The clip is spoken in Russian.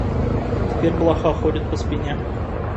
Теперь блоха ходит по спине.